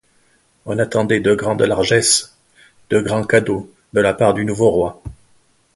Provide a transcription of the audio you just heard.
On attendait de grandes largesses, de grands cadeaux de la part du nouveau roi.